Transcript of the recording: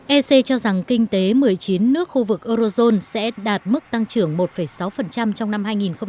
ec cho rằng kinh tế một mươi chín nước khu vực eurozone sẽ đạt mức tăng trưởng một sáu trong năm hai nghìn hai mươi